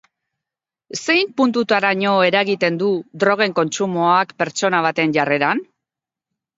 Zein puntutaraino eragiten du drogen kontsumoak pertsona baten jarreran?